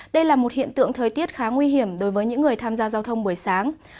đây là một hiện tượng thời tiết khá nguy hiểm đối với những người tham gia giao thông buổi sáng